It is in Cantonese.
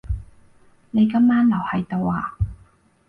你今晚留喺度呀？